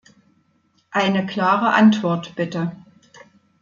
Eine klare Antwort bitte.